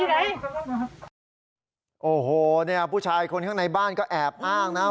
สำหรับผมครับโอ้โหเนี่ยผู้ชายคนข้างในบ้านก็แอบอ้างนะครับ